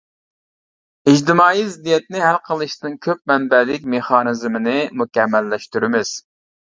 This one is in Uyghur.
ئىجتىمائىي زىددىيەتنى ھەل قىلىشنىڭ كۆپ مەنبەلىك مېخانىزمىنى مۇكەممەللەشتۈرىمىز.